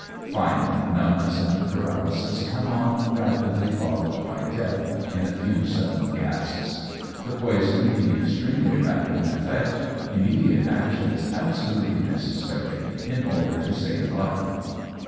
Finally, numbness and paralysis come on, rapidly followed by death in a few sudden gasps. The poison being extremely rapid in effect, immediate action is absolutely necessary in order to save life.